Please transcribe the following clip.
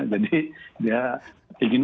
jadi dia ingin